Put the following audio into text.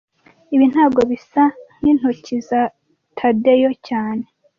Ibi ntago bisa nkintoki za Tadeyo cyane